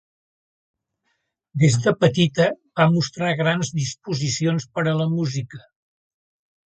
Des de petita va mostrar grans disposicions per a la música.